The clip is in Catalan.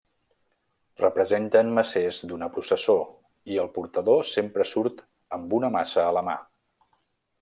Representen macers d’una processó, i el portador sempre surt amb una maça a la mà.